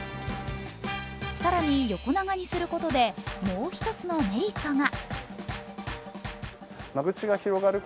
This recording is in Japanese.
更に横長にすることでもう一つのメリットが。